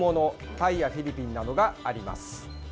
タイやフィリピンなどがあります。